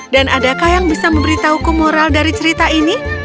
dan adakah yang bisa memberitahuku moral dari cerita ini